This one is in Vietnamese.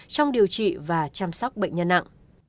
trong điều trị và chăm sóc bệnh nhân nặng